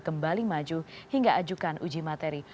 kembali maju hingga ajukan uji materi